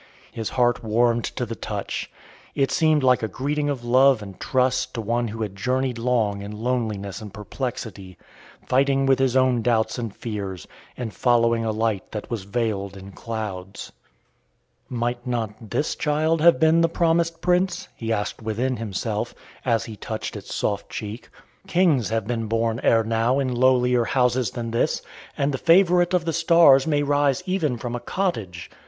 His heart warmed to the touch. It seemed like a greeting of love and trust to one who had journeyed long in loneliness and perplexity, fighting with his own doubts and fears, and following a light that was veiled in clouds. "Might not this child have been the promised Prince?" he asked within himself, as he touched its soft cheek. "Kings have been born ere now in lowlier houses than this, and the favourite of the stars may rise even from a cottage.